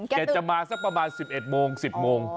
แกจะมาสักประมาณ๑๑โมง๑๐โมง